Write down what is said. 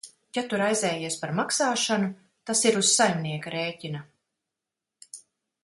Ja tu raizējies par maksāšanu, tas ir uz saimnieka rēķina.